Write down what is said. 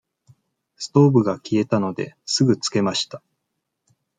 ストーブが消えたので、すぐつけました。